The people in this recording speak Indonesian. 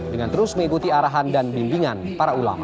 dengan terus mengikuti arahan dan bimbingan para ulama